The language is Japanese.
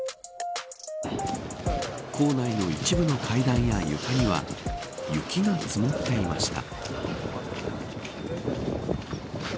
構内の一部の階段や床には雪が積もっていました。